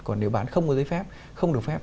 còn nếu bán không có giấy phép không được phép